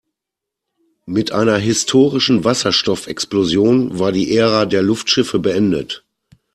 Mit einer historischen Wasserstoffexplosion war die Ära der Luftschiffe beendet.